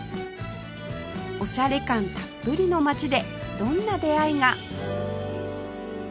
おしゃれ感たっぷりの街でどんな出会いが？